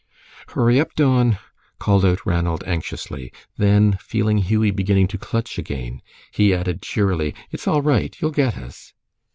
"Hurry up, Don!" called out Ranald, anxiously. Then, feeling Hughie beginning to clutch again, he added, cheerily, "It's all right. You'll get us."